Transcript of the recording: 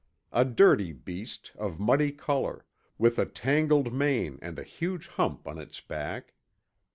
A dirty beast, of muddy color, with a tangled mane and a huge hump on its back.